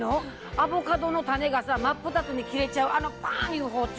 アボカドの種が真っ二つに切れちゃうあのバンいう包丁。